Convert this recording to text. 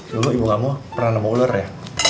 dulu ibu kamu pernah nama ular ya